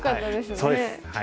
そうです。